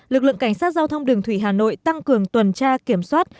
lực lượng cảnh sát giao thông đường thủy hà nội tăng cường tuần tra kiểm soát